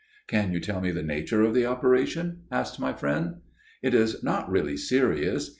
"'Can you tell me the nature of the operation?' asked my friend. "'It is not really serious.